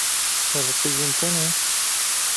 Ev qîzên te ne?